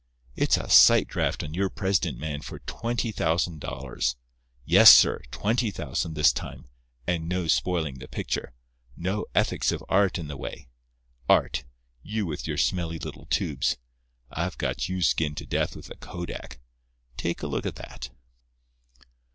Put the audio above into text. It's a sight draft on your president man for twenty thousand dollars—yes, sir—twenty thousand this time, and no spoiling the picture. No ethics of art in the way. Art! You with your smelly little tubes! I've got you skinned to death with a kodak. Take a look at that."